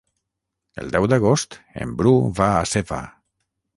El deu d'agost en Bru va a Seva.